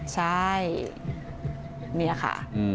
ใช่นี่ค่ะ